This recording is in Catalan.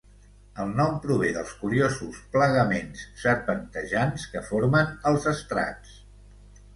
El nom prové dels curiosos plegaments serpentejants que formen els estrats.